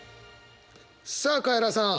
さあカエラさん